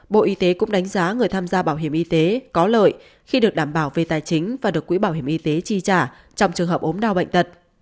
bộ y tế cũng đánh giá người tham gia bảo hiểm y tế có lợi khi được đảm bảo về tài chính và được quỹ bảo hiểm y tế chi trả trong trường hợp ốm đau bệnh tật